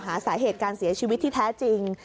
หาสาเหตุการเสียชีวิตที่แท้จริง